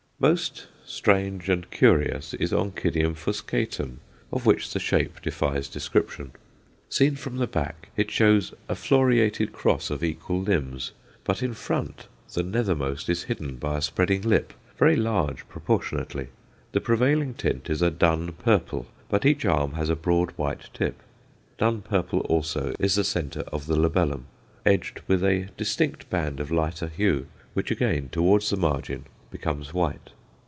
Most strange and curious is Onc. fuscatum, of which the shape defies description. Seen from the back, it shows a floriated cross of equal limbs; but in front the nethermost is hidden by a spreading lip, very large proportionately. The prevailing tint is a dun purple, but each arm has a broad white tip. Dun purple, also, is the centre of the labellum, edged with a distinct band of lighter hue, which again, towards the margin, becomes white.